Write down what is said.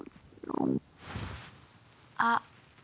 あっ！